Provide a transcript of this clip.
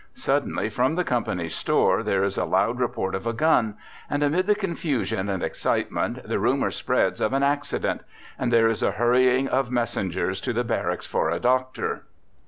Suddenly from the company's store there is a loud report of a gun, and amid the confusion and excitement the rumour spreads of an accident, and there is a hurrying of messengers to the barracks for a doctor.